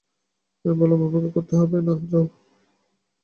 আমি বললুম, অপেক্ষা করতে হবে না, যাও।